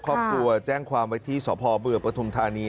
ครอบครัวแจ้งความไว้ที่สพบปฐุมธานี